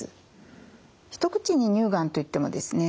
一口に乳がんと言ってもですね